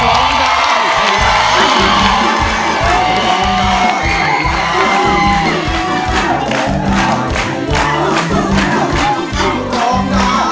ร้องได้ให้ร้าน